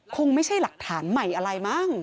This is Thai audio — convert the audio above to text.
คงไม่ใช่หลักฐานใหม่อะไรมั้ง